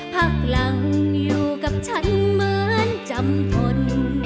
พักหลังอยู่กับฉันเหมือนจำพล